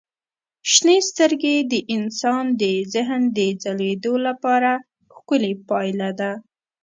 شنې سترګې د انسان د ذهن د ځلېدو لپاره ښکلي پایله ده.